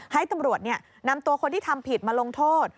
ให้ตำรวจนำตัวคนที่ทำผิดมาลงโทษ